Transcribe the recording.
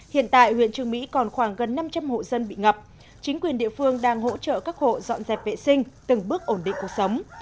hiện tại huyện trường mỹ còn khoảng gần năm trăm linh hộ dân bị ngập chính quyền địa phương đang hỗ trợ các hộ dọn dẹp vệ sinh từng bước ổn định cuộc sống